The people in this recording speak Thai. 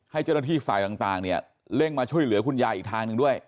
ให้เจ้าหน้าที่ฝ่ายต่างเนี่ยเร่งมาช่วยเหลือคุณยายอีกทางหนึ่งด้วย